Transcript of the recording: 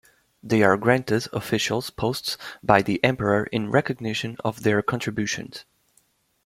They are granted official posts by the emperor in recognition of their contributions.